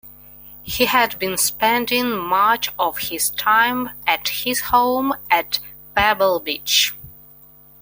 He had been spending much of his time at his home at Pebble Beach.